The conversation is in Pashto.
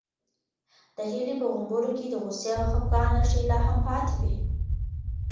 د هیلې په غومبورو کې د غوسې او خپګان نښې لا هم پاتې وې.